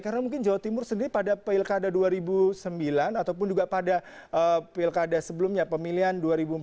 karena mungkin jawa timur sendiri pada pilkada dua ribu sembilan ataupun juga pada pilkada sebelumnya pemilihan dua ribu empat belas